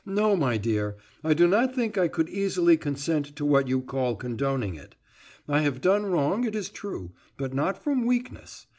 "No, my dear, I do not think I should easily consent to what you call condoning it. I have done wrong, it is true, but not from weakness.